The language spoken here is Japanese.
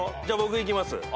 じゃあ僕いきます。